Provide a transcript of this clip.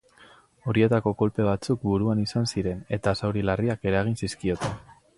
Horietako kolpe batzuk buruan izan ziren eta zauri larriak eragin zizkioten.